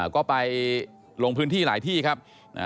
ก็ไปลงพื้นที่หลายที่ครับ